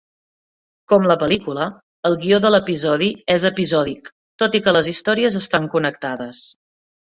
Com la pel·lícula, el guió de l'episodi és episòdic, tot i que les històries estan connectades.